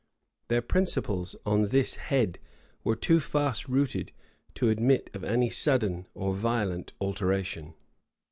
Their principles on this head were too fast rooted to admit of any sudden or violent alteration.